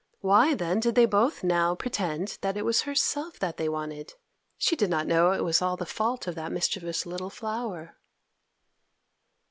Why, then, did they both now pretend that it was herself that they wanted? She did not know it was all the fault of that mischievous little flower.